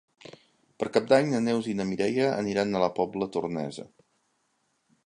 Per Cap d'Any na Neus i na Mireia aniran a la Pobla Tornesa.